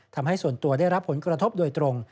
ทำให้ส่วนตัวได้รับผลกระทบโดยตรง